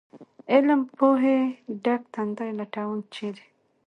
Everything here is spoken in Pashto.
علم پوهې ډک تندي لټوم ، چېرې ؟